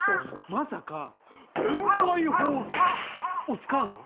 まさか「分配法則」を使うの？